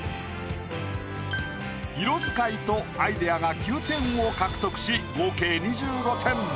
色使いとアイデアが９点を獲得し合計２５点。